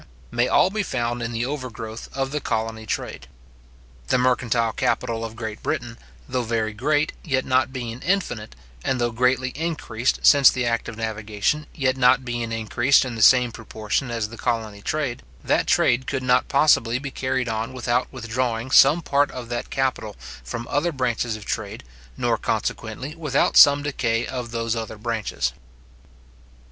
may all be found in the overgrowth of the colony trade. The mercantile capital of Great Britain, though very great, yet not being infinite, and though greatly increased since the act of navigation, yet not being increased in the same proportion as the colony trade, that trade could not possibly be carried on without withdrawing some part of that capital from other branches of trade, nor consequently without some decay of those other branches.